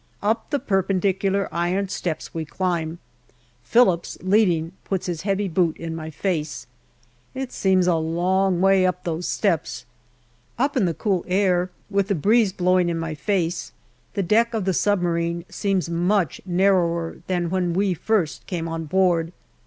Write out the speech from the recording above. Up the perpendicular iron steps we climb. Phillips, leading, puts his heavy boot in my face. It seems a long way up those steps. Up in the cool air, with the breeze blowing in my face, the deck of the submarine seems much narrower than when we first came on board.